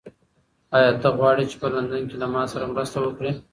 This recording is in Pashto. ایا ته غواړې چې په لندن کې له ما سره مرسته وکړې؟